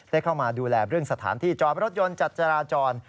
เข้ามาดูแลเรื่องสถานที่จอดรถยนต์จัดจราจร